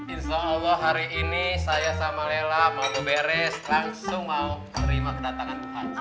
insya allah hari ini saya sama lela mau beres langsung mau terima kedatangan tuhan